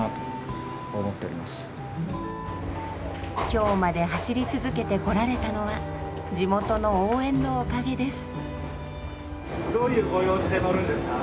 今日まで走り続けてこられたのは地元の応援のおかげです。